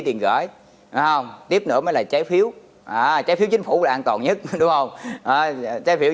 tiền gửi tiếp nữa mới là trái phiếu trái phiếu chính phủ là an toàn nhất đúng không trái phiếu